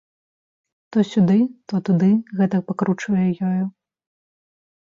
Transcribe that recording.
То сюды, то туды гэтак пакручвае ёю.